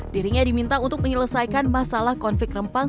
dirinya diminta untuk menyelesaikan masalah konflik rempang